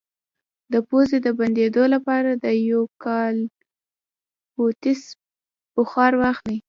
د پوزې د بندیدو لپاره د یوکالیپټوس بخار واخلئ